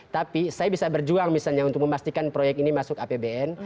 tapi saya bisa berjuang misalnya untuk memastikan proyek ini masuk apbn